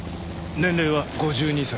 年齢は５２歳。